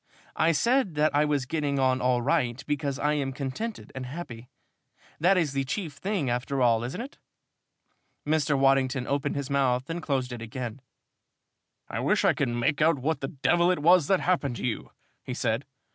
"I said that I was getting on all right because I am contented and happy. That is the chief thing after all, isn't it?" Mr. Waddington opened his mouth and closed it again. "I wish I could make out what the devil it was that happened to you," he said.